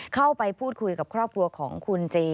เข้าไปพูดคุยกับครอบครัวของคุณเจ